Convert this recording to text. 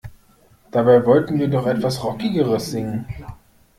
Dabei wollten wir doch etwas Rockigeres singen.